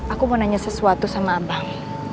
aku mau nanya sesuatu sama abang